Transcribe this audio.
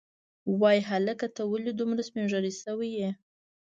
وای هلکه ته ولې دومره سپینږیری شوی یې.